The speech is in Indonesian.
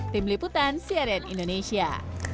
tim liputan siaran indonesia